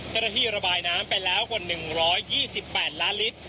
เจ้าหน้าที่ระบายน้ำไปแล้วกว่า๑๒๘ล้านลิตร